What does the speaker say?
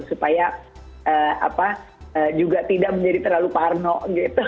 supaya juga tidak menjadi terlalu parno gitu